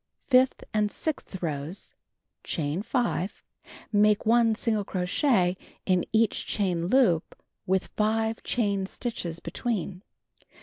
Fifth and sixth rows: Chain 5. Make 1 single crochet in each chain loop, with 5 chain stitches between.